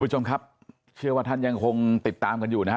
คุณผู้ชมครับเชื่อว่าท่านยังคงติดตามกันอยู่นะฮะ